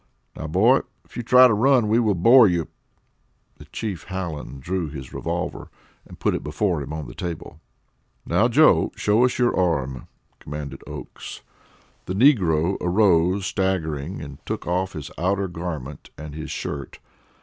"Now, boy, if you try to run, we will bore you," and Chief Hallen drew his revolver and put it before him on the table. "Now, Joe, show us your arm!" commanded Oakes. The negro arose staggering, and took off his outer garment and his shirt.